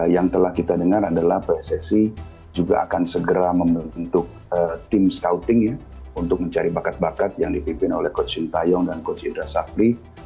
yang telah kita dengar adalah pssi juga akan segera membentuk tim scouting untuk mencari bakat bakat yang dipimpin oleh coach sintayong dan coach indra safri